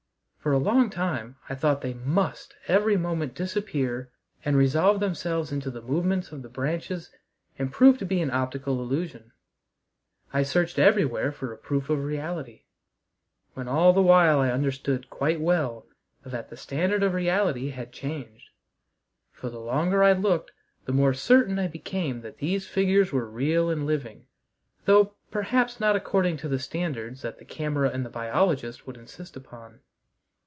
For a long time I thought they must every moment disappear and resolve themselves into the movements of the branches and prove to be an optical illusion. I searched everywhere for a proof of reality, when all the while I understood quite well that the standard of reality had changed. For the longer I looked the more certain I became that these figures were real and living, though perhaps not according to the standards that the camera and the biologist would insist upon.